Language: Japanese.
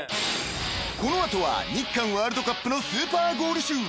［この後は日韓ワールドカップのスーパーゴール集］